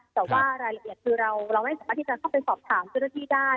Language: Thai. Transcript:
แต่ว่ารายละเอียดคือเราไม่สามารถที่จะเข้าไปสอบถามเจ้าหน้าที่ได้